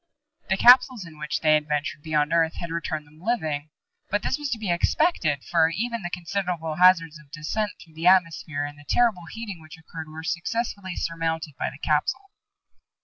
The capsules in which they had ventured beyond Earth had returned them living. But this was to be expected, for even the considerable hazards of descent through the atmosphere and the terrible heating which occurred were successfully surmounted by the capsule.